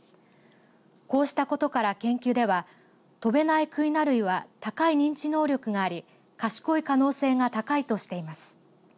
こうしたことから研究では飛べないクイナ類は高い認知能力があり賢い可能性が高いとしています。